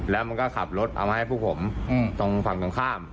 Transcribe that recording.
และหมุนก็ขับรถอะไรให้ผู้ผมทางฝั่งตรงข้าม